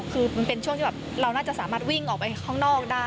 คือมันเป็นช่วงที่แบบเราน่าจะสามารถวิ่งออกไปข้างนอกได้